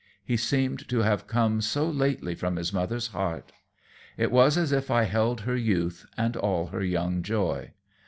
He seemed to have come so lately from his mother's heart! It was as if I held her youth and all her young joy.